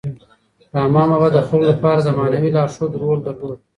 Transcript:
رحمان بابا د خلکو لپاره د معنوي لارښود رول درلود.